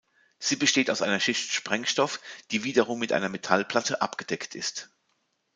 Sie besteht aus einer Schicht Sprengstoff, die wiederum mit einer Metallplatte abgedeckt ist.